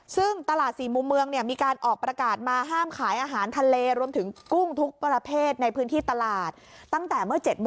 ซึ่งตลาดสี่มุมเมืองมีการออกประกาศมาห้ามขายอาหารทะเล